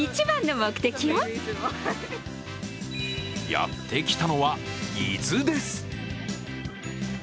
やって来たのは、伊豆です。